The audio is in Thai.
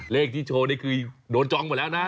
เลขที่โชว์นี่คือโดนจองหมดแล้วนะ